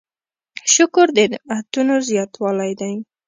شکر د نعمتونو زیاتوالی دی.